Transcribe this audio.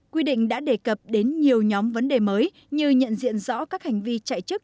quy định đã đề cập đến nhiều nhóm vấn đề mới như nhận diện rõ các hành vi chạy chức